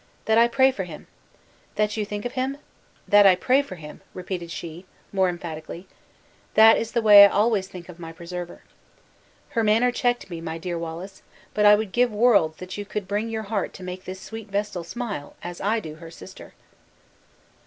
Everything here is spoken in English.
'That I pray for him.' 'That you think of him?' 'That I pray for him,' repeated she, more emphatically; 'that is the way I always think of my preserver.' Her manner checked me, my dear Wallace, but I would give worlds that you could bring your heart to make this sweet vestal smile as I do her sister!"